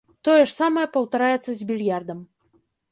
Тое ж самае паўтараецца з більярдам.